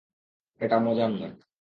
এটা মজার না।